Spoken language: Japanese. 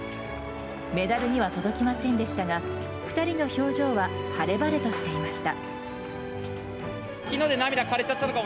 メダルには届きませんでしたが２人の表情は晴れ晴れとしていました。